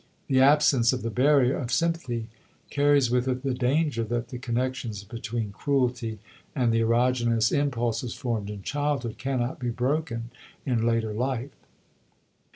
The absence of the barrier of sympathy carries with it the danger that the connections between cruelty and the erogenous impulses formed in childhood cannot be broken in later life.